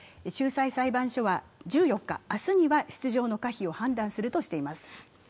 仲裁裁判所は１４日、明日には出場の可否を判断するとしています。